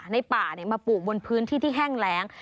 ในป่ามาปลูกบนพื้นที่ที่แห้งแรง